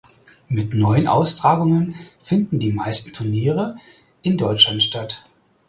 Mit neun Austragungen finden die meisten Turniere in Deutschland statt.